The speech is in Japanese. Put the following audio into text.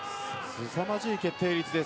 すさまじい決定率です。